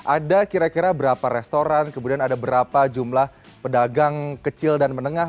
ada kira kira berapa restoran kemudian ada berapa jumlah pedagang kecil dan menengah